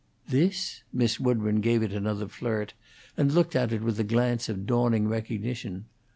"This?" Miss Woodburn gave it another flirt, and looked at it with a glance of dawning recognition.